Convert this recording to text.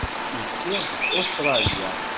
Usiɣ-d seg Ustṛalya.